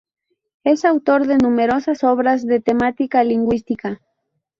Es autor de numerosas obras de temática lingüística.